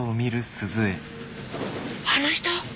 あの人？